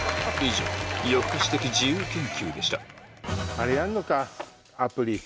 あれやるのかアプリ。